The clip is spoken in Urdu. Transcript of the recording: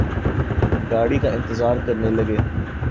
گاڑی کا انتظار کرنے لگے